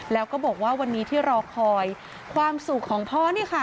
แล้วก็บอกว่าวันนี้ที่รอคอยความสุขของพ่อนี่ค่ะ